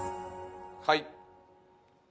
はい。